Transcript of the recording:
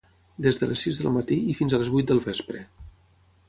Des de les sis del matí i fins a les vuit del vespre.